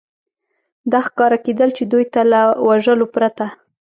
دا ښکاره کېدل، چې دوی ته له وژلو پرته.